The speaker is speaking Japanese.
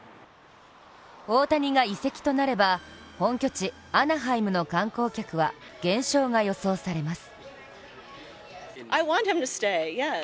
大谷が移籍となれば、本拠地・アナハイムの観光客は減少が予想されます。